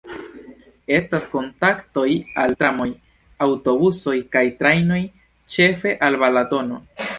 Estas kontaktoj al tramoj, aŭtobusoj kaj trajnoj ĉefe al Balatono.